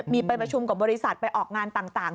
มีไปประชุมกับบริษัทไปออกงานต่าง